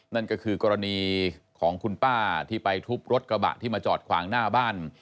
นั่นก็คือกรณีของคุณป้าที่ไปทุบรถกระบะที่มาจอดขวางหน้าบ้าน